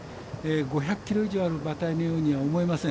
５００ｋｇ以上ある馬体には思えません。